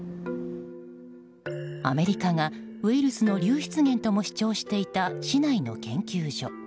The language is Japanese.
アメリカがウイルスの流出源とも主張していた市内の研究所。